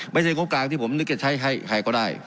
งบกลางที่ผมนึกจะใช้ให้ใครก็ได้